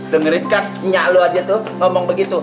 dengerin kan nyak lo aja tuh ngomong begitu